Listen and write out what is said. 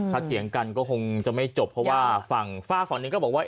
ถ้าเถียงกันก็คงจะไม่จบเพราะว่าฝั่งฝ้าฝั่งหนึ่งก็บอกว่า